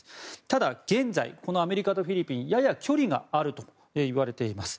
ただ、現在このアメリカとフィリピンやや距離があるといわれています。